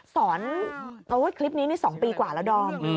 สอนโอ๊ยคลิปนี้นี่๒ปีกว่าแล้วดอม